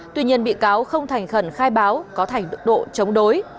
tuy nhiên bị cáo không thành khẩn khai báo có thành đức độ chống đối